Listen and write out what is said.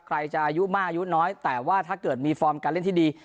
ใครจะอายุมากอายุน้อยแต่ว่าถ้าเกิดมีฟอร์มการเล่นที่ดี